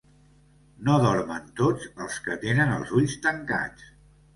No dormen tots els que tenen els ulls tancats.